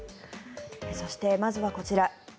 そして、まずはこちら。